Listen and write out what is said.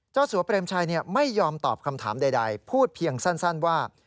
สัวเปรมชัยไม่ยอมตอบคำถามใดพูดเพียงสั้นว่า